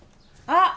あっ